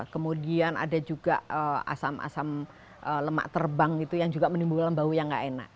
kemudian ada juga asam asam lemak terbang itu yang juga menimbulkan bau yang nggak enak